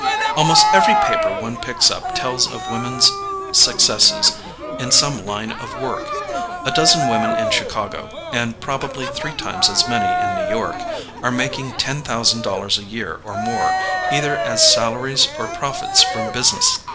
Almost every paper one picks up tells of women's successes in some line of work. A dozen women in Chicago, and probably three times as many in New York, are making ten thousand dollars a year or more, either as salaries or profits from business.